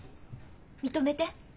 認めて。